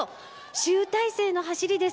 集大成の走りです。